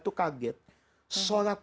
itu kaget solat